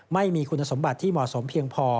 ไม่มีคุณสมบัติที่เหมาะสมเพียงพอ